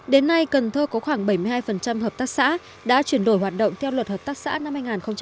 đến nay cần thơ có khoảng bảy mươi hai hợp tác xã đã chuyển đổi hoạt động theo luật hợp tác xã năm hai nghìn một mươi ba